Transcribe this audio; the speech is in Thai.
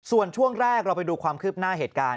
ส่วนช่วงแรกเราไปดูความคืบหน้าเหตุการณ์